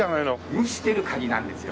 蒸してるカニなんですよ。